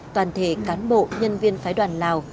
toàn thể cán bộ nhân viên phái đoàn lào